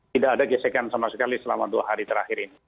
tidak ada gesekan sama sekali selama dua hari terakhir ini